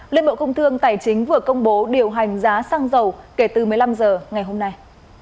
liên bộ công thương tài chính vừa công bố điều hành giá xăng dầu kể từ một mươi năm h ngày hôm nay